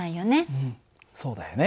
うんそうだよね。